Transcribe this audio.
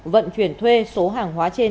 vận chuyển thuê số hàng hóa trên